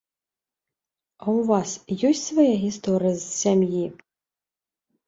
А ў вас ёсць свая гісторыя з сям'і?